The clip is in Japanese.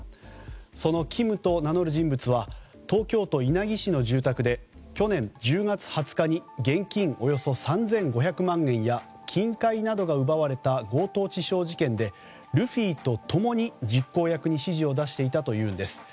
そのキムと名乗る人物は東京都稲城市の住宅で去年１０月２０日に現金およそ３５００万円や金塊などが奪われた強盗致傷事件でルフィと共に実行役に指示を出していたというのです。